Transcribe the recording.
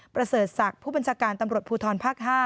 ประเสริฐศักดิ์ผู้บัญชาการตำรวจภูทรภาค๕